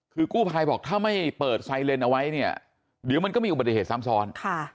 คือกู้ภัยบอกถ้าไม่เปิดไซเลนเอาไว้เนี่ยเดี๋ยวมันก็มีอุบัติเหตุซ้ำซ้อน